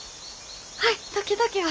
はい時々は。